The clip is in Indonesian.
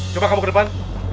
coba kamu ke depan